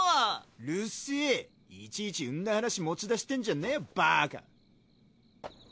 うっせえいちいちんな話持ち出してんじゃねえバカ。